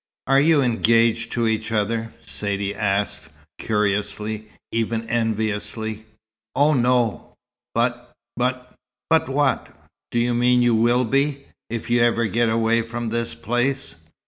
'" "Are you engaged to each other?" Saidee asked, curiously, even enviously. "Oh no! But but " "But what? Do you mean you will be if you ever get away from this place?"